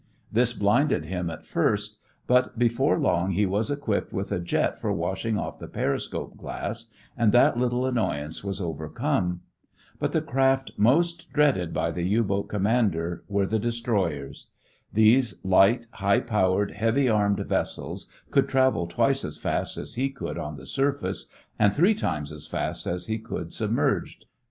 This blinded him at first, but before long he was equipped with a jet for washing off the periscope glass and that little annoyance was overcome. But the craft most dreaded by the U boat commander were the destroyers. These light, high powered, heavily armed vessels could travel twice as fast as he could on the surface and three times as fast as he could submerged.